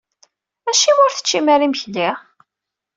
Acimi ur teččim ara imekli?